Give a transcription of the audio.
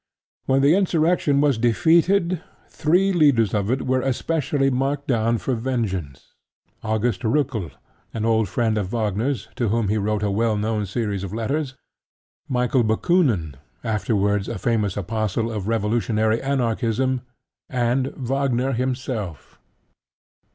When the insurrection was defeated, three leaders of it were especially marked down for vengeance: August Roeckel, an old friend of Wagner's to whom he wrote a well known series of letters; Michael Bakoonin, afterwards a famous apostle of revolutionary Anarchism; and Wagner himself.